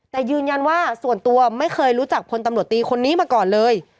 แต่ยืนยันว่าส่วนตัวไม่เคยรู้จักพลตำรวจตีคนนี้มาก่อนเลย